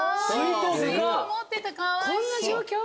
こんな状況？